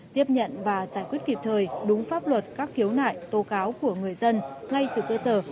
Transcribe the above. tiếp nhận và giải quyết kịp thời đúng pháp luật các khiếu nại tố cáo của người dân ngay từ cơ sở